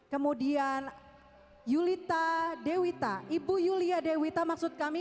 kemudian yulita dewita ibu yulia dewita maksud kami